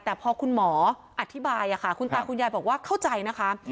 แต่พอคุณหมออธิบายคุณตาคุณยายบอกว่าเข้าใจนะคะ